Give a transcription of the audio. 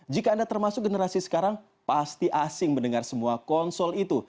jika anda termasuk generasi sekarang pasti asing mendengar semua konsol itu